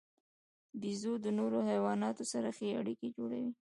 بیزو د نورو حیواناتو سره ښې اړیکې جوړوي.